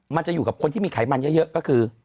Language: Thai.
มันจะอยู่กับคนที่มีไขมันเยอะก็คือ